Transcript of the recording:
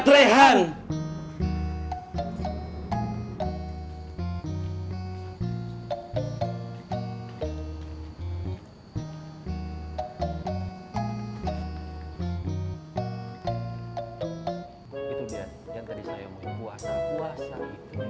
itulah dia yang tadi teaspoon